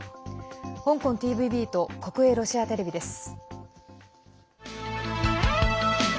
香港ＴＶＢと国営ロシアテレビです。